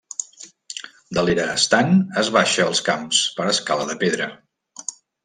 De l'era estant es baixa als camps per escala de pedra.